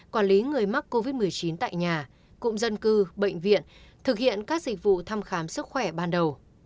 quản lý người mắc covid một mươi chín tại nhà cụm dân cư bệnh viện thực hiện các dịch vụ thăm khám sức khỏe ban đầu